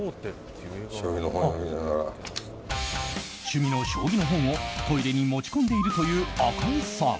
趣味の将棋の本をトイレに持ち込んでいるという赤井さん。